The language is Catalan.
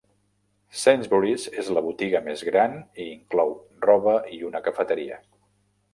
Sainsburys és la botiga més gran i inclou roba i una cafeteria.